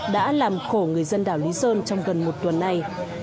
đã làm khổ người dân đảo lý sơn trong gần một tuần nay